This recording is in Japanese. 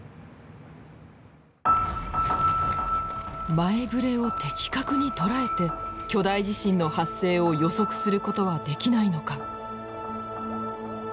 前ぶれを的確に捉えて巨大地震の発生を予測することはできないのか。